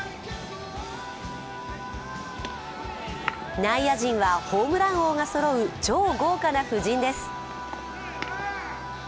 内野陣は、ホームラン王がそろう超豪華な布陣です。